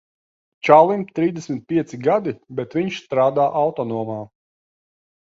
Čalim trīsdesmit pieci gadi, bet viņš strādā autonomā.